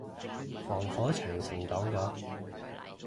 防火長城擋咗